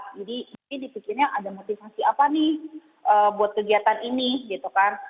jadi dipikirnya ada motivasi apa nih buat kegiatan ini gitu kan